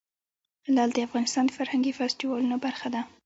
لعل د افغانستان د فرهنګي فستیوالونو برخه ده.